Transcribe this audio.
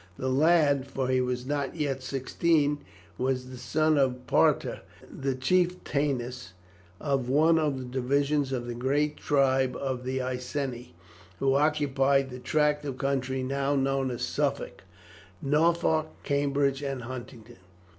The lad, for he was not yet sixteen, was the son of Parta, the chieftainess of one of the divisions of the great tribe of the Iceni, who occupied the tract of country now known as Suffolk, Norfolk, Cambridge, and Huntingdon.